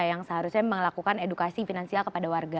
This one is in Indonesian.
yang seharusnya melakukan edukasi finansial kepada warga